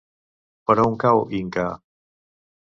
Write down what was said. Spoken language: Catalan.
Per on cau Inca?